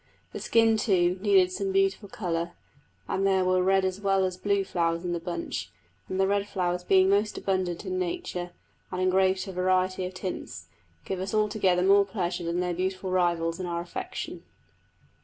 The skin, too, needed some beautiful colour, and there were red as well as blue flowers in the bunch; and the red flowers being most abundant in nature and in greater variety of tints, give us altogether more pleasure than their beautiful rivals in our affection.